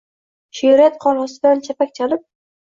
She’riyat – qor ostidan chapak chalib